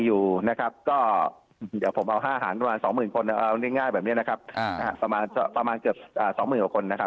อย่าเอาห้าหารสถานการณ์ประมาณ๒หมื่นประมาณเกือบ๒หมื่นวัน